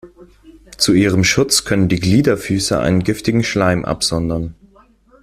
Zu ihrem Schutz können die Gliederfüßer einen giftigen Schleim absondern.